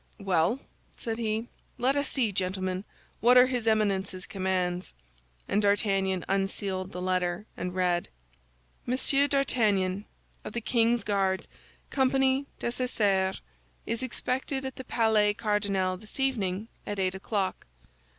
"Well," said he, "let us see, gentlemen, what are his Eminence's commands," and D'Artagnan unsealed the letter and read, "M. d'Artagnan, of the king's Guards, company Dessessart, is expected at the Palais Cardinal this evening, at eight o'clock.